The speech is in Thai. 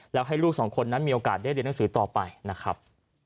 แล้วให้ลูกสองคนนั้นมีโอกาสได้เรียนหนังสือต่อไปนะครับ